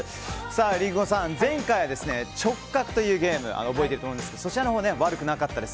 リンゴさん、前回のゲーム覚えてると思うんですがそちらのほう悪くなかったです。